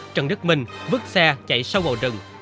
trần đức minh vứt xe chạy sâu vào rừng